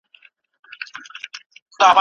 څومره دي لا وګالو زخمونه د پېړیو